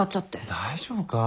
大丈夫か？